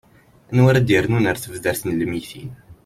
anwa ara d-yernun ar tebdart n lmeyytin